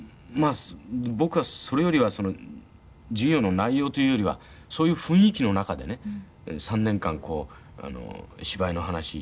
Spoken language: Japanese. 僕はそれよりは授業の内容というよりはそういう雰囲気の中でね３年間芝居の話。